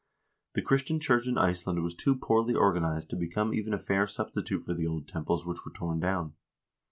The Christian church in Iceland was too poorly organized to become even a fair substitute for the old temples which were torn down.